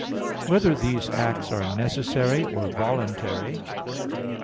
(2) Whether these acts are necessary, or voluntary?